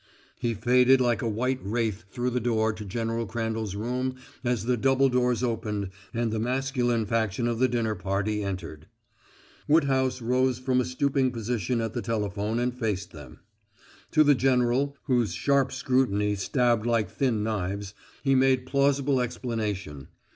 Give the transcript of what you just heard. He faded like a white wraith through the door to General Crandall's room as the double doors opened and the masculine faction of the dinner party entered. Woodhouse rose from a stooping position at the telephone and faced them. To the general, whose sharp scrutiny stabbed like thin knives, he made plausible explanation.